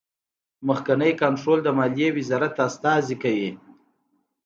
مخکینی کنټرول د مالیې وزارت استازی کوي.